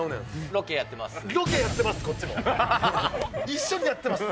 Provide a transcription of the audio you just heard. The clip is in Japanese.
ロケやってます。